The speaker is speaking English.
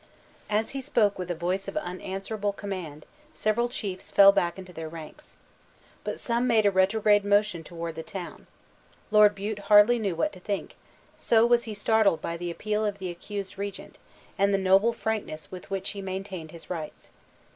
As he spoke with a voice of unanswerable command, several chiefs fell back into their ranks. But some made a retrograde motion toward the town. Lord Bute hardly knew what to think, so was he startled by the appeal of the accused regent, and the noble frankness with which he maintained his rights.